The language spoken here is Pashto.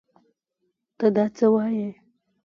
تۀ دا څه وايې ؟